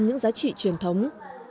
những giá trị truyền thống